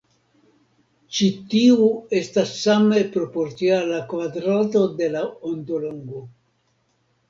Ĉi tiu estas same proporcia al la kvadrato de la ondolongo.